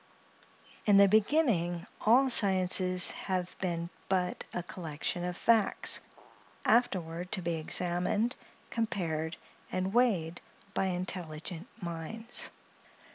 In the beginning, all sciences have been but a collection of facts, afterward to be examined, compared, and weighed, by intelligent minds.